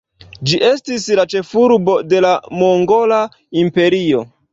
Ĝi estis la ĉefurbo de la Mongola Imperio.